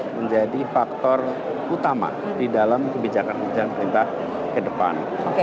menjadi faktor utama di dalam kebijakan kebijakan perintah ke depan